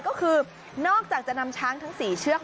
ก็คือนอกจากจะนำช้างทั้ง๔เชือก